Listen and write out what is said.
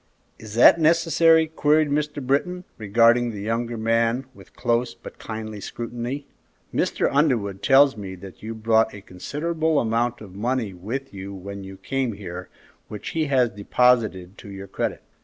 "Is that necessary?" queried Mr. Britton, regarding the younger man with close but kindly scrutiny. "Mr. Underwood tells me that you brought a considerable amount of money with you when you came here, which he has deposited to your credit."